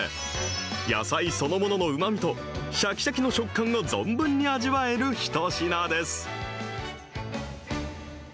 野菜そのもののうまみと、しゃきしゃきの食感を存分に味わえる一品です。